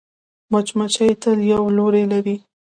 مچمچۍ تل یو لوری لري